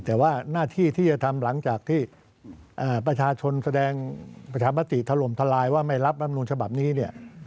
แต่ว่าหน้าที่ที่จะทำหลังจากที่ประชาชนแสดงประชามติถล่มทลายว่าไม่รับรำนูลฉบับนี้เนี่ย